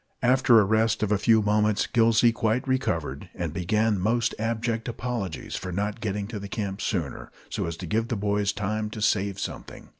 After a rest of a few moments, Gillsey quite recovered, and began most abject apologies for not getting to camp sooner, so as to give the boys time to save something.